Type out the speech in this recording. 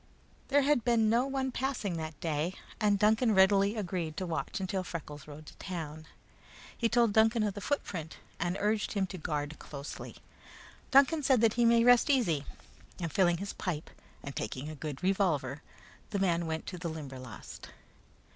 There had been no one passing that day, and Duncan readily agreed to watch until Freckles rode to town. He told Duncan of the footprint, and urged him to guard closely. Duncan said he might rest easy, and filling his pipe and taking a good revolver, the big man went to the Limberlost.